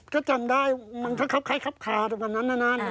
ก็จำได้มันก็ครับใครครับขาทุกวันนั้นนาน